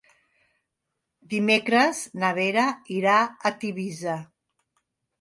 Dimecres na Vera irà a Tivissa.